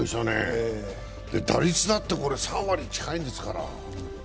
打率だって３割に近いんですから。